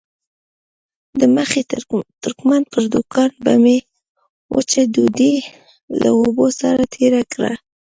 د مخي ترکمن پر دوکان به مې وچه ډوډۍ له اوبو سره تېره کړه.